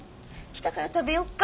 来たから食べようか。